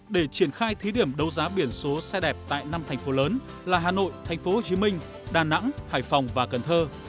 để triển khai thí điểm đấu giá biển số xe đẹp tại năm thành phố lớn là hà nội tp hcm đà nẵng hải phòng và cần thơ